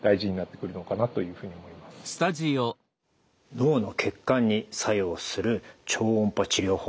脳の血管に作用する超音波治療法。